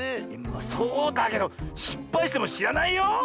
そうだけどしっぱいしてもしらないよ。